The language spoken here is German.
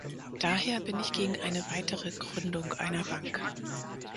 Daher bin ich gegen eine weitere Gründung einer Bank.